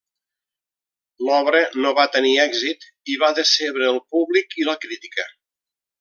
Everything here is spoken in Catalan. L'obra no va tenir èxit i va decebre el públic i la crítica.